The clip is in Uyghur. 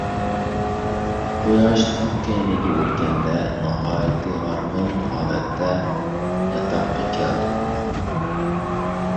قۇياش تاغ كەينىگە ئۆتكەندە ناھايىتى ھارغىن ھالەتتە ياتاققا كەلدۇق.